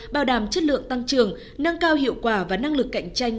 bảo đảm chất lượng tăng trưởng nâng cao hiệu quả và năng lực cạnh tranh